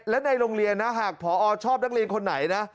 และในโรงเรียนนะหากพอชอบนักเรียนคนไหนนะ